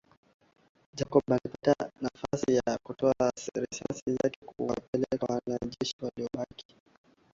Jacob alipata nafasi ya kutoa risasi zake na kuwapiga wale wanajeshi wawili walobaki